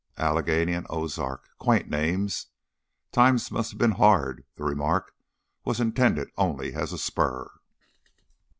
Allegheny and Ozark. Quaint names. "Times must have been hard." The remark was intended only as a spur.